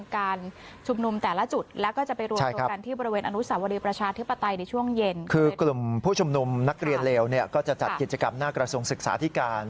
คือกลุ่มผู้ชุมนุมนักเรียนเลวเนี่ยก็จะจัดกิจกรรมหน้ากระทรวงศึกษาธิการ